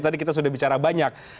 tadi kita sudah bicara banyak